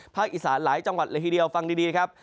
อีสานหลายจังหวัดเลยทีเดียวฟังดีครับ